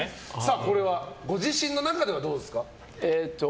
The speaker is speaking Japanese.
これはご自身の中ではどうですか？